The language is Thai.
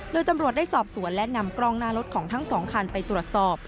โดยตำรวจได้สอบสวนและนำกล้องหน้ารถของทั้งสองคันไปตรวจสอบ